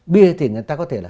bia thì người ta có thể